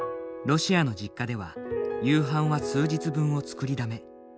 ロシアの実家では夕飯は数日分を作りだめ。